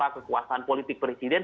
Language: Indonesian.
kekuasaan politik presiden